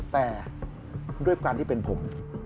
แต่ด้วยความที่เป็นผม